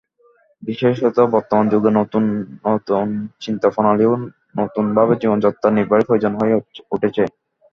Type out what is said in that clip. বিশেষত বর্তমান যুগে নূতন নূতন চিন্তাপ্রণালী ও নূতন ভাবে জীবনযাত্রা-নির্বাহের প্রয়োজন হয়ে উঠেছে।